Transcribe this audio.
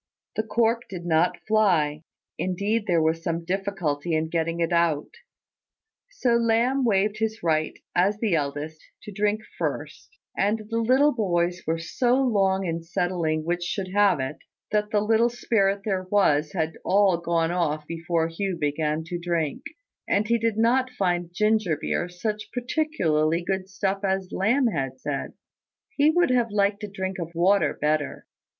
The cork did not fly; indeed there was some difficulty in getting it out: so Lamb waived his right, as the eldest, to drink first; and the little boys were so long in settling which should have it, that the little spirit there was had all gone off before Hugh began to drink; and he did not find ginger beer such particularly good stuff as Lamb had said. He would have liked a drink of water better.